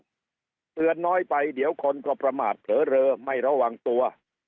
ถ้าเตือนน้อยไปเดี๋ยวคนก็ประมาทเผลอเลอไม่ระวังตัว